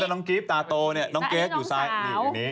ดังนี้ตรีตาโตนี่น้องเกษอยู่ทางเนี่ย